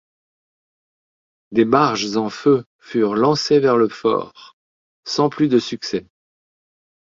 Des barges en feu furent lancées vers le fort, sans plus de succès.